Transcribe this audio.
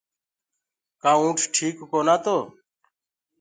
ڪآ اونٺ ٺيڪ ڪونآ تو